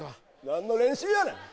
何の練習やねん！